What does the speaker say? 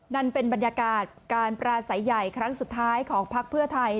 นั่นเป็นบรรยากาศการปราศัยใหญ่ครั้งสุดท้ายของพักเพื่อไทย